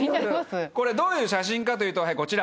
どういう写真かというとこちら。